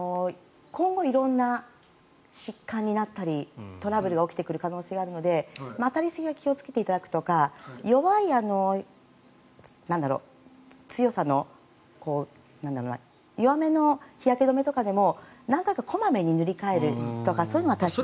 今後色んな疾患になったりトラブルが起きてくる可能性があるので当たりすぎは気をつけていただくとか弱い強さの弱めの日焼け止めとかでも長く小まめに塗り替えるとかそういうのが大切。